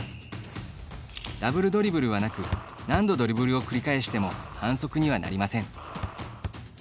ダブルドリブルはなく何度ドリブルを繰り返しても反則にはなりません。